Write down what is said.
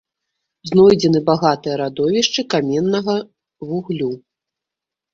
Знойдзены багатыя радовішчы каменнага вуглю.